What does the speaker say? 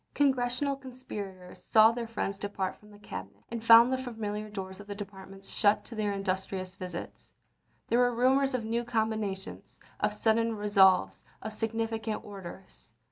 Congressional conspirators saw their friends depart from the Cabinet, and found the familiar doors of the departments shut to their industrious visits. There were rumors of new combinations, of sudden resolves, of significant orders.